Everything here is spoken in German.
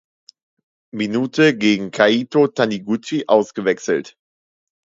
Minute gegen Kaito Taniguchi ausgewechselt.